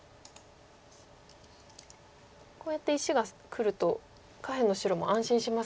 こうやって石がくると下辺の白も安心しますね。